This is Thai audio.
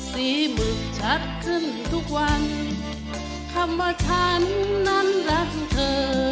สีหมึกชัดขึ้นทุกวันคำว่าฉันนั้นรักเธอ